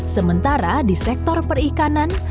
sementara di sektor perikanan